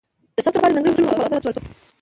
د ثبت لپاره ځانګړي اصول وضع شول.